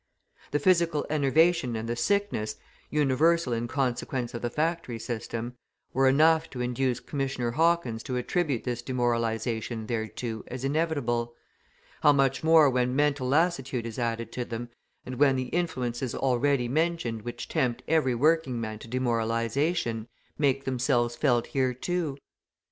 The physical enervation and the sickness, universal in consequence of the factory system, were enough to induce Commissioner Hawkins to attribute this demoralisation thereto as inevitable; how much more when mental lassitude is added to them, and when the influences already mentioned which tempt every working man to demoralisation, make themselves felt here too!